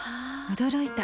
驚いた。